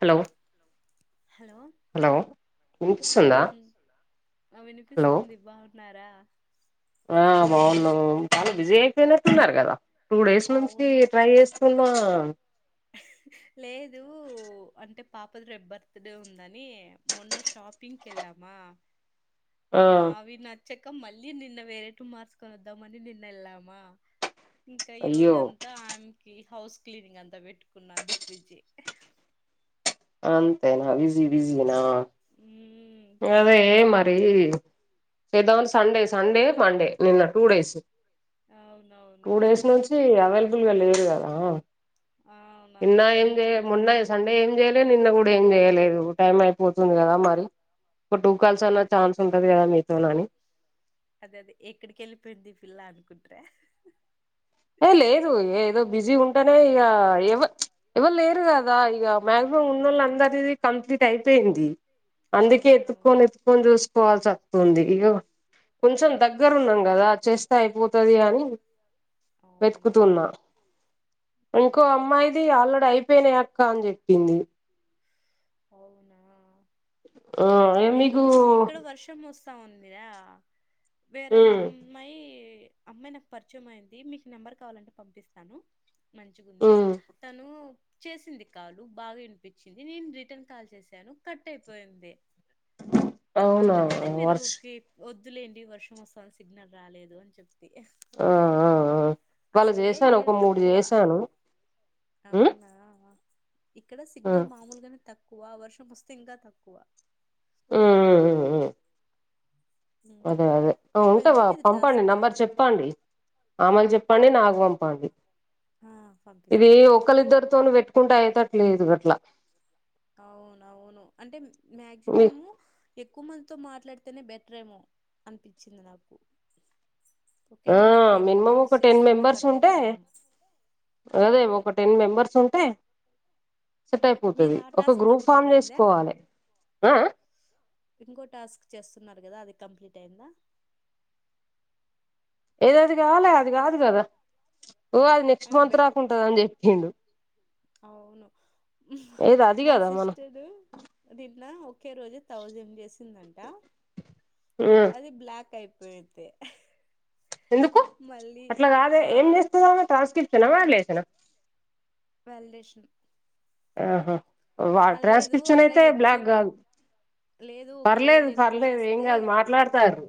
Hello hello hello వినిపిస్తుందా ఆ hello వినిపిస్తుంది బాగున్నారా ఆ బాగున్నా చాలా బిజీ అయిపోయినన్నారు కదా టూ డేస్ నుంచి అవును ట్రై చేస్త న్నా లేదు అంటే పాపది రేపు బర్త్ డే ఉందని మొన్న షాపింగ్కి వెళ్ళామా ఆ అవి నచ్చాక మళ్ళీ నిన్న వేరేటూ మార్చకొని వద్దామని నిన్న వెళ్ళామా ఇంకా ఈ అయ్యో రోజంతా ఆమెకి హౌస్ క్లీనింగ్ అంతా పెట్టుకున్నది ఫ్రిడ్జి అంతేనా బిజీబిజీనా ఉ అదే మరి Sunday without Sunday Monday Sunday నిన్న టూ మండే డేస్ నిన్న టూ డేస్ టూ అవునవును డేస్ నుంచి అవైలబుల్గా లేరు లేదు కదా నిన్న అవునవును ఏం కొంచెం చేయాలే పని మొన్న ఎక్కువుంది సండే ఏం చేయల్ నిన్న కూడా అంటే ఏం నిన్న చేయలేదు కూడా ఏం చేయలేదు టైం అయిపోతుంది టైం కదా మరి అయిపోతుంది కదా టూ మరి కాల్స్ అన్న అవును ఏ ఛాన్స్ ఉంటది కదా మీతోనీ అని అదే అదే ఎక్కడికి ఎళ్ళిపోయింది ఈ పిల్ల అనుకుంటిరే ఏ లేదు ఏదో బిజీ ఏదో ఉంటేనే ఇగ ఉంటనే ఇగ ఎవ్వ ఎవ ఎవరు లేరు కదా ఎవళు లేేరు ఇగ కదా ఈగ దాంట్లో మాగ్సిమం ఉన్నోళ్ళందరిది ఉన్నోళ్ళు అందరిదీ కంప్లీట్ అయిపోయింది కంప్లీట్ అయిపోయింది అందుకే అవునవును ఎతుక్కోని కోని చూసుకోవాల్సి వత్తుంది ఇగో కొంచెం దగ్గరున్నాం గదా చేస్తే అయిపోతాది అని వెతుకుతున్నా అవునవును ఇంకో ఓకే ఓకే అమ్మాయిది ఆల్రెడీ అయి పోయినయి అక్క అని జెప్పింది అవునా ఆ ఏ నేను మీకు ఇక్కడ వర్షం వస్ తా ఉందియా వేరే అం ఉమ్ అమ్మాయి అమ్మాయి నాకు పరిచయం అయ్యింది మీకు నెంబర్ కావాలంటే పంపిస్తాను మంచిగుంది ఉమ్ తను చేసింది కాలు బాగా ఇనిపిచ్చింది నేను రి టన్ కాల్ చేశాను కట్ అయిపోయింది అవునా అందుకనే మీరు వర్ష్ కి వద్దులేండి వర్షం వస్తాం సిగ్నల్ రాలేదు అని చెప్తి ఆ ఆ ఆ వాళ్ళ అసలే చేశాను ఒక ఈడ మూడు తక్కువ చేశాను ఉమ్ అవునా ఇక్కడ ఉమ్ సిగ్నల్ మామూలుగానే తక్కువ వర్షం వస్తే ఇంకా తక్కువ ఊ ఊ ఊ ఉమ్ అదే ఇంకా అదే అయిపోయిందా ఉంటావా మీది పంపండి టాస్క్ నంబర్ చెప్పండి ఆమెకు చెప్పండి అప్పు నాకు పంపండి ఆ ఇది పంపిస్తాను ఒకలిద్దరితోని పెట్టు కుంటే అయ్యేతట్లేదు గట్లా అవునవును అంటే మీ మ్యాక్సిమమ్ము ఎక్కువ మందితో మాట్లాడితేనే బెటర్ ఏమో అన్పిచ్చింది నాకు ఒకే ఆ నెంబర్ కి ఎక్కువ మినిమం కాల్స్ ఒక టెన్ చేస్తున్నా కట్ అయితున్నాయేమో గదే ఒక టెన్ మెంబెర్స్ ఉంటే సెట్ ఉమ్ మీది అయిపోతది ఆ ఒక టాస్క్ గ్రూప్ కంప్లీట్ ఫామ్ అయ్యిందా చేసుకోవాలే ఆ ఇంకో టాస్క్ చేస్తున్నారు కదా అది కంప్లీట్ అయ్యిందా ఏది అది కాలే అది కాదు కదా ఓ అది నెక్స్ట్ అయినా మంత్ బెట్ రాకుంటది అని చెప్పిండు అవును ఏది అది మా కదా మనం సిస్టరు నిన్న ఒకే రోజు థౌసండ్ చేసిందంట ఉమ్ అది బ్లాక్ అయిపోయింది ఎందుకు మళ్ళీ అట్లా కాదే ఆ ఏం చేస్తుదో ఆమె ట్రాన్స్క్రిప్షనా వాలిడేషనా వాల్డేషన్ ఆహా వా లేదు ట్రాన్స్క్రిప్షన్ అట్లా అయితే ఎక్కువ బ్లాక్ గాదు లేదు ఒకే రోజు పర్లేదు ఎక్కువ పర్లేదు ఏం చేస్తే కాదు మాట్లాడుతారు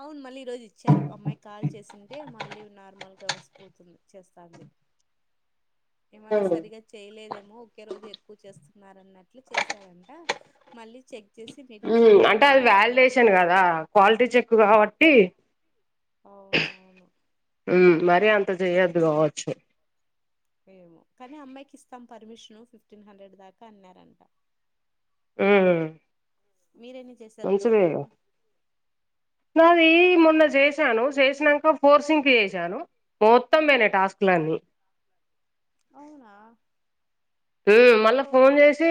అవును మళ్ళీ ఈ రోజు ఇచ్చారు అమ్మాయి కాల్ చేసింటే మళ్ళీ నార్మల్ గా వస్ పోతుంది చేస్తాంది ఏమన్నా సరిగా చేయలేదేమో ఒకే రోజు ఎక్కువ చేస్తున్నారన్నట్లు చేసారంట మళ్ళీ చె ఊ అంటే అది వ్యాలిడేషన్ కదా క్వాలిటీ చెక్ ఉమ్, కావట్టి అవునవును ఉమ్ మరీ అంత చెయ్యద్దు కావచ్చు ఏమో కానీ అమ్మాయికి ఇస్తాం పర్మిషను ఫిఫ్టీన్ హండ్రెడ్ దాకా అన్నారంట ఊ మీరెన్ని చేశారు టోటల్ మంచిదేగా నాది మొన్న చేసాను చేసినంక ఫోర్సింక్ చేసాను మోత్తం ఉమ్, పోయినాయి టాస్క్ లన్నీ అవునా మళ్ళా ఓ ఫోన్ చేసి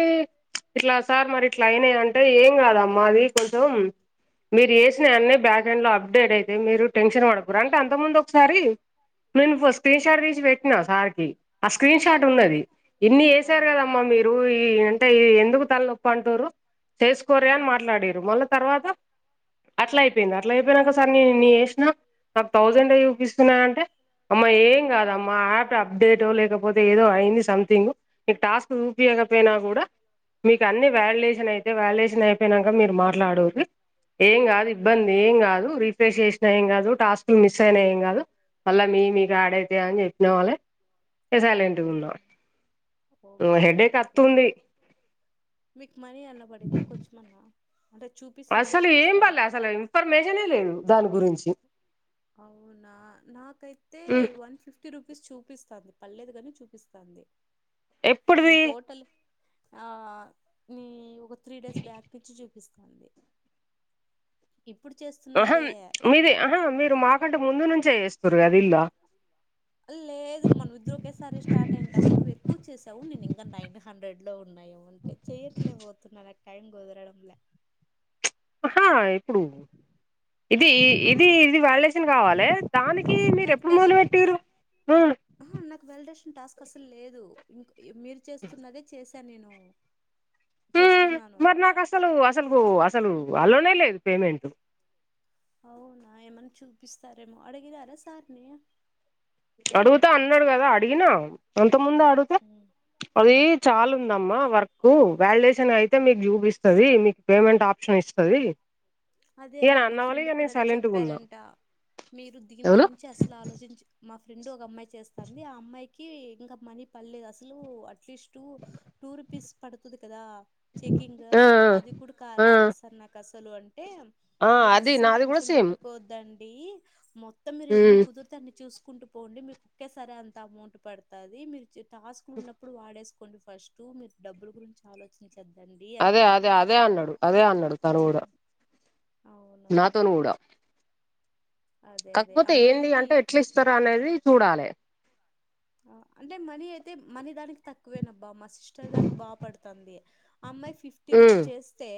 ఇట్లా సార్ మరి ఇట్లా అయినాయి అంటే ఏం కాదమ్మ మాది కొంచెం మీరు ఏసిన అన్ని బాక్ దాన్లో అప్డేట్ అయితే మీరు టెన్షన్ పడకురి అంటే అంత ముందు ఒకసారి మేం ఫ ఆ ఆ, స్క్రీన్షాట్ తీస్ పెట్ నా సార్ కి ఆ స్క్రీన్ షాట్ అవును ఉన్నది ఇన్ని ఏసారు అవును కదమ్మా మీరు ఈ అంటే ఈ ఎందుకు తలనొప్ప అంటురు చేసుకోర ఆ అని మాట్లాడీరు మళ తర్వాత అట్లా అయిపోయింద అట్లా అయిపోయినాక సార్ నే ఇనీ ఏసినా నాకు థౌసండ్ ఏ చూపిస్తున్నది అంటే అమ్మా ఆ ఏం ఆ ఆ కాదమ్మా యాప్ అప్డేట్ లేకపోతే ఏదో అయింది సంథింగ్ మీ టాస్క్ చూపియకపోయినా కూడా మీకు ఉమ్ అన్ని మీకు అన్ని వాలిడేషన్ అయి మీ వ్యాలిడేషన్ వాలిడేషన్ అయితే అయిపోయినాక మీరు వ్యాలిడేషన్ మాట్లాడురి అయిపోయినాక ఏం కాదు మీరు మాట్లాడేది ఉమ్ ఇబ్బంది ఏం కాదు ఇబ్బంది ఏం రిఫ్రెష్ చేసినా ఏం రీప్లేస్ చేసిన కాదు టాస్క్ కాదు, మిస్ అయినా టాస్క్ ఏం మిస్ కాదు అయిన ఏం కాదు, మల్ల మీ మీకు ఆడైతే అని చెప్పిన వళ్ళే ఈగా సైలెంట్ ఉన్నా అవునా పేమెంట్ అయిపోయింది. ఊ ఓకే హెడేక్ ఓకే అతుంది ఏముంది, కష్టం ఉంది. మీకు మనీ అన్న పడిందా కొంచెమన్నా అంటే చూపిస్తాన చూపిస్తాంద ఫర్ మెజనే లేదు దాని గురించి అవునా నాకైతే వన్ ఫిఫ్టీ ఫిఫ్టీ రూపీస్ చూపిస్తంది పలేదు కానీ చూపిస్తంది ఎప్పుడుది నేను టోటల్ ఆ నీ ఒక త్రీ డేస్ బ్యాక్ నుంచి చూపిస్తాంది ఇప్పుడు చేస్తు ఆహా ప్చ్ మీది ఆహ మీరు మాకంటే ముందు నుంచే చేస్తురు కద ఇల్లా లేదు మన ఇద్దరు ఒకేసారి స్టార్ట్ అయింటాము నువ్వు ఎక్కువ చేసావు నేను ఇంకా నైన్ హండ్రెడ్ లో ఉన్నాయ ఒన్ ట్ చెయ్యట్లే లేకపోతున్న నాకు టైం కుదరడం లే అహా ఇప్పుడు ఇది ఆ ఇది ఇది వల్డేషన్ కావాలి దానికి మీరు ఎప్పుడు మొదలుపెట్టిండ్రు ఉ ఆహ నాకు వెల్డేషన్ టాస్క్ అసలు లేదు ఇం మీరు చేస్తున్నదే చేస్ త నేను హ్మ్ చేస్తున్నాను మరి నాకు అసలు అసలుకు అసలు అలోనే లేదు పేమెంట్ అవునా ఏమన్నా చూపిస్తారేమో అడిగినారా సార్ నీ అడుగుతా అన్నాడు కదా అడిగిన అంత ముందు అడుగుతె ఊ అది చాల ఉందమ్మా వర్క్ వాలిడేషన్ అయితే ఉమ్. మీకు చూపిస్తది మీకు పేమెంట్ ఆప్షన్ ఇస్తది అదే ఈయన అదే మా అన్నవల్ల ఫ్రెండ్ ఇగ కూడా నేను అదే సైలెంట్ గున్నా చెప్పారంట మీరు దిని ఎవలు గురించి అసలు ఆలోచించ మా ఫ్రెండ్ ఒక అమ్మాయి చేస్తాంది ఆ అమ్మాయికి ఇంకా మనీ పడలే అసలు at at least two two rupees పడుతుది కదా చెకింగ్ ఆ అది కూడా ఆ ఆ రాలేస్తార్ నాకు అసలు అంటే ఆ మీరు అది అస్సలు నాది కూడా టెన్షన్ సేమ్ పెట్టుకోద్దండి మొత్తం మీరు ఎన్ని హ్మ్ కుదురు దాన్ని చూసుకుంటూ పోండి మీకు ఒక్కేసారి అంత అమౌంట్ పడుతది మీరు టాస్కులు ఉన్నప్పుడు వాడేసు కోండి ఫస్ట్ మీరు డబ్బులు గురించి ఆలోచించద్దండి అదే అదే అన్యాడంట అదే అన్నాడు అదే అన్నాడు ఊ తను కూడా నాతోను కూడా అదే అదే కాకపోతే ఏంది అంటే అమ్మాయిది ఎట్లా ఇస్తారు అనేది చూడాలి ఆ అంటే మనీ అయితే మనీ దానికి తక్కువేనబ్బా మా సిస్ టర్ దానికి బా పడతాంది ఆ అమ్మాయి ఫిఫ్టీ రూ హ్మ్ చేస్తే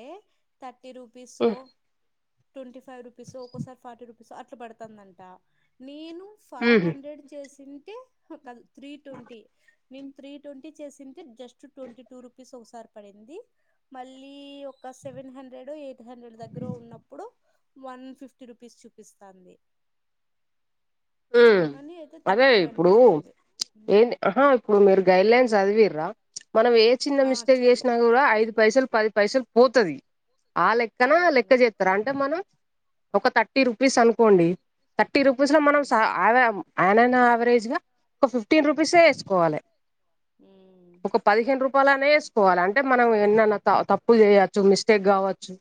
థర్టీ రు పి సో హ్మ్ ట్వంటీ ఫైవ్ రూపీసో ఒక్కోసారి ఫార్టీ రూపీసో అట్లా పడుతుందట నేను ఫైవ్ హుహు హండ్రెడ్ చేసింటే కదు త్రీ ట్వంటీ మేము త్రీ ట్వంటీ చేసింటే జస్ట్ ట్వంటీ టూ రూపీస్ ఒకసారి పడింది మళ్ళీ ఒక సెవెన్ హండ్రెడో ఎయిట్ హండ్రెడో దగ్గర ఉన్నప్పుడు వన్ ఫిఫ్టీ రూపీస్ చూపిస్తాంది ఉమ్ మనీ అయితే అదే తక్కువే ఇప్పుడు అనిపిస్తుంది ఏంది ఆహా ఇప్పుడు మీరు గైడ్ లైన్స్ చదివిరా మనం ఏ చిన్న ఆ మిస్టేక్ చదు చేసినా కూడా ఐదు పైసలు పది పైసలు పోతది ఆ లెక్కన లెక్క అవును చేస్త అంటే మనం ఒక థర్టీ రూపీస్ అనుకోండి థర్టీ రూపీస్ లో మనం ఉమ్ అ ఆయననాయావరేజ్ గా ఒక ఫిఫ్టీన్ రుపీసే కోవాలి ఉమ్ ఒక పదిహేను రూపాయలనే వేసుకోవాలి అంటే మనం ఎన్నన్నా తప్పులు చేయొచ్చు మిస్టేక్ కావచ్చు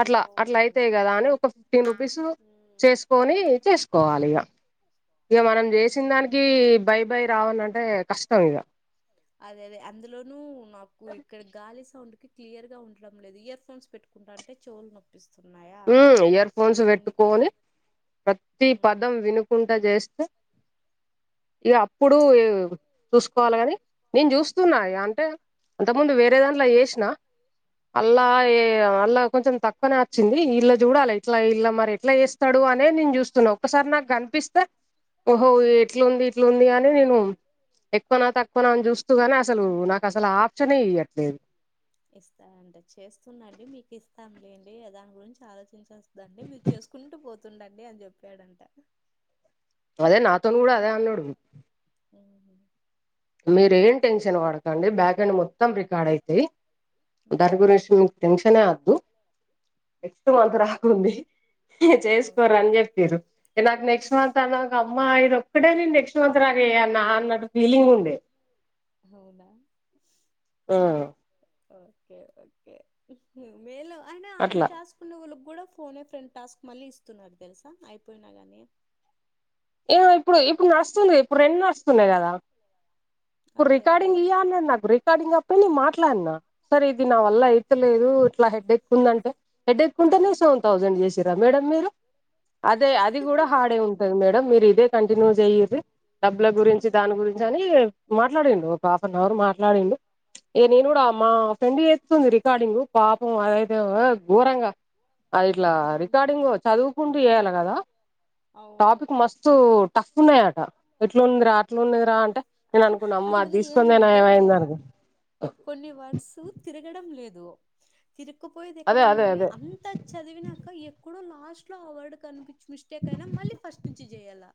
అట్లా అట్లా అవునవును అయితేయి కదా అని ఒక ఫిఫ్టీన్ రూపీస్ ఉమ్ చేసుకొని చేసుకో కోవాలి ఇక ఇక మనం చేసిన దానికి అవును బై బై రావాల అంటే కష్టం ఇక అదే అదే అందులోనూ నాకు ఇక్కడ గాలి సౌండ్ కి క్లియర్ గా ఉండడం లేదు ఇయర్ ఫోన్స్ పెట్టు అంటే చెవులు నొప్పులు నొప్పి ఇస్తున్నాయా ఉమ్ ఇయర్ ఫోన్స్ పెట్టుకొని ప్రతి ఉమ్ పదం విను కుంటా చేస్తే ఇక అప్పుడు చూసుకోవాల కాని నేను చూస్తున్నా ఇగ అంటే అంత కు ముందు వేరే దాంట్లో చేసినా అల్లా మళ్ళా ఏ అల్లా కొంచెం తక్కువనే వచ్చింది ఇలా చూడాలి ఇట్లా ఇలా మరి ఎట్లా చేస్తాడు అనే నేను చూస్తున్నా ఒకక్కసారి నాకు కనిపిస్తే ఓహో అనే ఎట్లాంది ఇట్లు ఉంది అని నేను ఎక్కువన తక్కువన అని చూస్తూగానే అసలు నాకు అసలు ఆ ఆప్షనే ఇయ్యట్లేదు ఇస్తా అంటే చేస్తున్నాండి మీకు ఇస్తాం లేండి దాని గురించి ఆలోచించాల్సి దండి మీరు చేసుకుంటూ పోతుండండి అని చెప్పాడంట అదే నాతోను కూడా అదే అన్నాడు ఉమ్ మీరు ఏం టెన్షన్ పడకండి బ్యాక్ ఎడ్ మొత్తం రికార్డ్ అయితాయి దాని గురెసి మిక్ టెన్షనే అద్దు నెక్స్ట్ మంతర చేసుకోరు అవునా అని చెప్పారు నాకు నెక్స్ట్ మంత్ తన ఒక అమ్మా ఇది ఒక్కడే నేను నెక్స్ట్ మంత్ రాగే అన్న అన్నట్ ఫీలింగ్ ఉండే అవునా ఉ ఓకే ఓకే అయినా ఆమెలో ఈ అట్లా టాస్క్ కొన్ని వాళ్ళకి కూడా ఫోనే ఆ ఫ్రెండ్ టాస్క్ మళ్ళీ ఇస్తున్నారు తెలుసా అయిపోయినా కానీ ఇగో ఇప్పుడు ఇప్పుడు నాకు వస్తుంది ఇప్పుడు రెండు వస్తున్నాయి కదా ఇప్పుడు అదే అదే రికార్డింగ్ ఇవ్వాలిను నాకు రికార్డింగ్ అప్పడే నేను మాట్లాడినా సరే ఇది నా ఆ వల్ల అయితేలేదు ఇట్లా హెడ్ ఎక్ ఉందంటే హెడ్ ఎక్ ఉంటేనే సో థౌసండ్ చేసిరా మేడం మీరు అదే అది కూడా హడే ఉంటంది మేడం మీరు ఇదే కంటిన్యూ చెయ్యర్రి డబ్బుల గురించి దాని గురించి గాని మాట్లాడిండు ఒక హాఫ్ అన్ అవర్ మాట్లాడిండు ఏ నేను కూడా మా అవును ఫ్రెండ్ చేస్తుంది రికార్డింగ్ పాపం అదైతే ఘోరంగా అది ఇట్లా రికార్డింగ్ చదువుకుంటూ చేయాలి కదా అవును టాపిక్ మస్తు టఫ్ ఉన్నయట ఎట్లుందిరా ఉన్నదిరా అంటే నేను అనుకున్నా అమ్మా అందులో తీసుకుందే ఏమంటే నయామైంది అనుకున్న. కొన్ని వర్డ్స్ తిరగడం లేదు, తిరకుపోయేది అదే ఎక్కడన్న అదే ఉన్ని అదే అంత చదివినాక ఎక్కడో లాస్ట్ లో అవార్డు కనిపించి విష్ తే కైనా మళ్ళీ ఫస్ట్ నుంచి చెయల్లా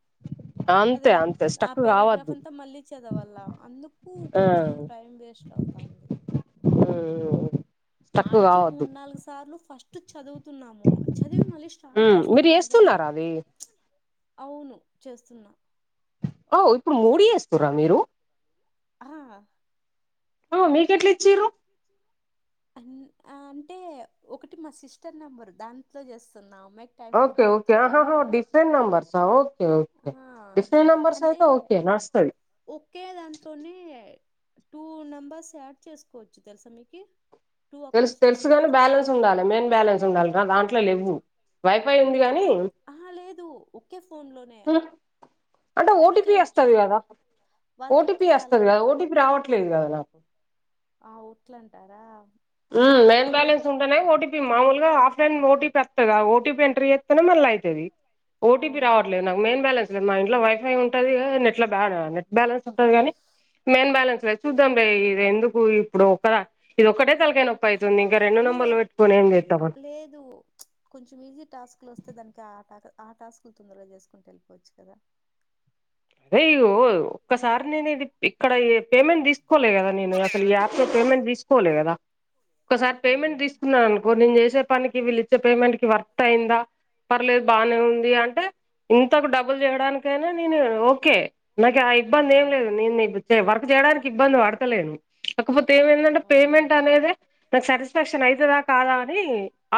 అదే అంతే అంతే స్టక్ అప్ పెరగ్రాఫ్ కావద్దు అంతా మళ్ళీ చదవల్ల అందుకు కొంచం టైం వేస్ట్ అవుతాంది. ఉమ్ ఆడికి మూడు నాలుగు సార్లు ఫస్ టు చదువుతున్నాము చదివి మళ్ళీ స్టార్ట్ మ్ మీరు చేస్తున్నా గాని చేస్తున్నారా అది ప్చ్ అవును చేస్తున్నా ఓ ఇప్పుడు మూడి చేస్తుర్రా మీరు? ఆ ఉ మీకెట్ల ఇచ్చిర్రు అం ఆ అంటే ఒకటి మా సిస్టర్ నెంబరు దాంట్లో చేస్తున్నా మెక్ ఓకే ఓకే ఆహహ దీ డిఫరెంట్ నెంబర్సా ఓకే ఆ ఓకే, డిఫరెంట్ నెంబర్స్ అంటే అయితే ఓకే నడుస్తది. ఒకే దాంట్లోనే టూ నెంబర్స్ యాడ్ చేసుకోవచ్చు తెలుసా మీకీ, టూ తెలుసు అకౌంట్స్ తెలుసు గాని చేసుకోవచ్చు. బ్యాలెన్స్ ఉండాలి మెయిన్ బ్యాలెన్స్ ఉండాలిరా దాంట్లో లేవ్వు, వైఫై ఉంది గాని ఆహ లేదు ఒకే ఫోన్ లోనే అంటే ఓ రెండు టీ పీ చేయొచ్చు అస్తది కదా. ఓ వాళ్ళు టీ చెప్తే పీ చాలు అస్తది కదా ఓ టీ పీ రావట్లేదు కదా నాకు ఆ ఊట్లంటారా? ఉమ్ మేన్ బ్యాలెన్స్ ఉంటెనే ఓ టీ పీ మామూలుగా ఆఫ్లైన్ ఓ టీ పీ అస్తదా ఓ టీ పీ ఎంటర్ చే తెనే మళ్ళా అయితది ఓ టీ పీ అవునవును రావట్లేదు నాకు మెయిన్ బాలెన్స్ మా ఇంట్లో వైఫై ఉంటది గా నెట్ ల బ్యారా నెట్ బ్యాలెన్స్ ఉంటది గని మెయిన్ బ్యాలెన్స్ లేదు చూద్దాం బె అవును ఇది ఎందుకు ఇప్పుడు ఒక దా ఇదొక్కటే సలకే నొప్పై అవుతుంది ఇంకా ఆ రెండు నువ్వు అ నంబర్లు పెట్టుకుని ఏం చేద్దామన్ లేదు కొంచం ఈజీ టాస్కులు వస్తే దానికి ట ఆ టాస్కులు తొందరగా చేసుకుంట వెళిపోవచ్చు కదా. అయ్యో ఒక్కసారి నేను ఇది ఇక్కడ ఈ పేమెంట్ తీసుకోలే కదా నేను అసలు ఈ యాప్ ఇంగ పేమెంట్ తీసుకలే కదా ఒక్కసారి పేమెంట్ ఉమ్ తీసుకున్నాను ఓ నేను చేసే పనికి వీళ్ళు ఇచ్చే పేమెంట్ కి వర్త్ అయిందా? పర్లేదు బానే ఉంది అంటే, ఇంతకు డబుల్ చేయడానికైనా నేను ఓ కే నాకు ఆ ఇబ్బంది ఏం ఉమ్ లేదు, నేను నీకు చే వర్క్ చేయడానికి ఇబ్బంది పడతలేను. కాకపోతే ఏమైందంటే అవును పేమెంట్ అనేది నాకు సాటిస్ఫాక్షన్ ఐతదా కాదా అని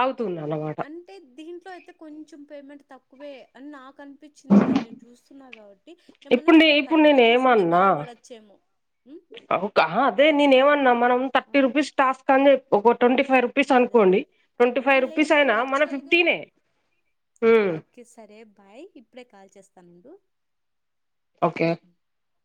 అవుతుంది అన్నమాట అంటే దీంట్లో అయితే కొంచెం పేమెంట్ తక్కువే అని నాకు అనిపించింది నేను చూస్తున్నా గాబట్టి ఏమన్నా ఇప్పుడు నే మీరు కరెక్టె చేసింటే బాగు పడొచ్చేమో అవుకా అదే నేనేమన్నా మనం ఆ థర్టీ రూపీస్ టాస్క్ కని చెప్ ఒక ట్వంటీ ఫైవ్ రు రుపీస్ అదే అనుకోండి, అదే ట్వంటీ ఫైవ్ ఆహా రుపీస్ లేదు అయినా మన యాక్చువల్గా ఫిఫ్టీనే ఉమ్ కే సరే బాయ్ ఇప్పుడే కాల్ చేస్తానుండు. ఒకే అ